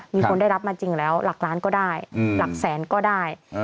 มีคนได้รับมาจริงแล้วหลักล้านก็ได้หลักแสนก็ได้